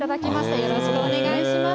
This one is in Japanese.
よろしくお願いします。